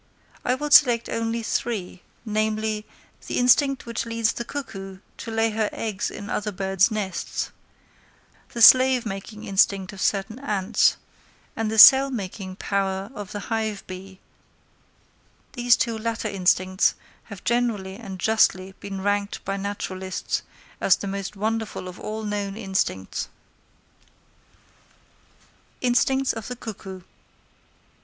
I will select only three, namely, the instinct which leads the cuckoo to lay her eggs in other birds' nests; the slave making instinct of certain ants; and the cell making power of the hive bee: these two latter instincts have generally and justly been ranked by naturalists as the most wonderful of all known instincts. _Instincts of the Cuckoo.